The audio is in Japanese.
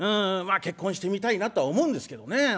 まあ結婚してみたいなとは思うんですけどね